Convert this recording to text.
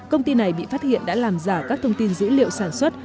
công ty này bị phát hiện đã làm giả các thông tin dữ liệu sản xuất